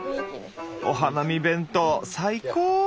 お花見弁当最高！